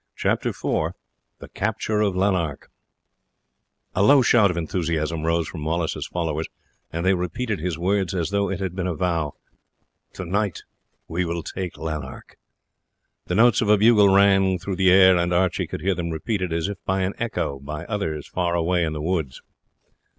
Chapter IV The Capture of Lanark A low shout of enthusiasm rose from Wallace's followers, and they repeated his words as though it had been a vow: "Tonight we will take Lanark." The notes of a bugle rang through the air, and Archie could hear them repeated as by an echo by others far away in the woods.